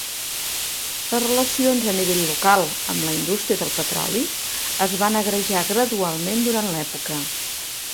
Les relacions a nivell local amb la indústria del petroli es van agrejar gradualment durant l'època.